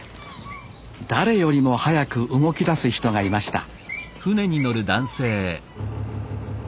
誰よりも早く動きだす人がいました